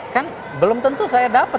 kan belum tentu saya dapat